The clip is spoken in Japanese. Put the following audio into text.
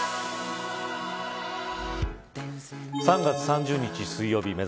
３月３０日水曜日